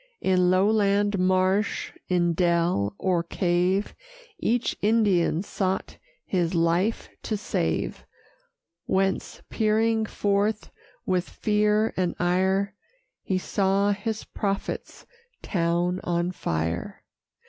In lowland marsh, in dell, or cave, Each Indian sought his life to save; Whence, peering forth, with fear and ire, He saw his prophet's town on fire.